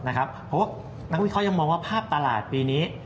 เพราะว่านางวิทย์เขายังมองว่าภาพตลาดปีนี้